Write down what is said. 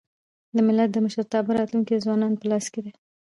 د ملت د مشرتابه راتلونکی د ځوانانو په لاس کي دی.